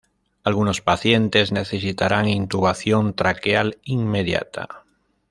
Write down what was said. Algunos pacientes necesitarán intubación traqueal inmediata.